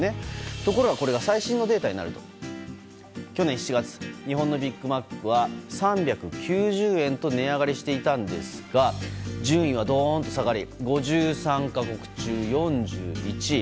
ところが、最新のデータになると去年７月、日本のビッグマックは３９０円と値上げしていたんですが順位がドンと下がり５３か国中４１位。